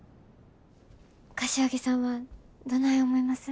柏木さんはどない思います？